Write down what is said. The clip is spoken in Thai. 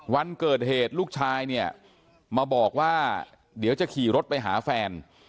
วันเกิดเหตุลูกชายเนี่ยมาบอกว่าเดี๋ยวจะขี่รถไปหาแฟน